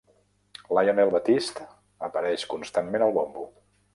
Lionel Batiste apareix constantment al bombo.